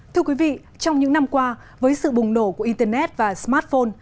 thưa quý vị trong những năm qua với sự bùng nổ của internet và smartphone